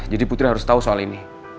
jadi putri harus tau soal ini